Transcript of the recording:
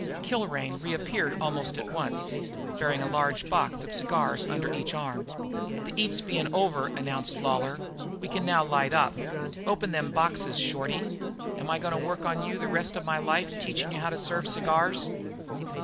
Kilrain reappeared almost at once, bearing a large box of cigars under each arm. "The eats bein' over," announced Lawlor, "we can now light up. Open them boxes, Shorty. Am I goin' to work on you the rest of my life teachin' you how to serve cigars?"